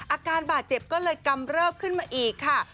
อาการบาดเจ็บก็เลยกำเริบขึ้นมาอีกค่ะ